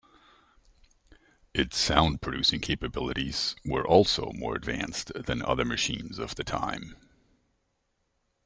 Its sound-producing capabilities were also more advanced than other machines of the time.